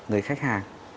người khách hàng